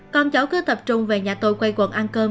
con cháu cứ tập trung về nhà tôi quay quần ăn cơm